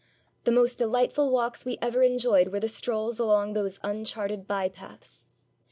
The most delightful walks we ever enjoyed were the strolls along those uncharted by paths.